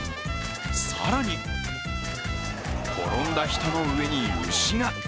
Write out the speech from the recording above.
更に、転んだ人の上に牛が。